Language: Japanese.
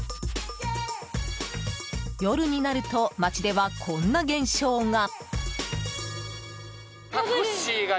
夜になると街ではこんな現象が。